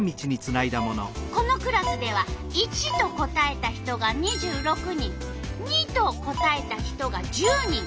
このクラスでは①と答えた人が２６人②と答えた人が１０人。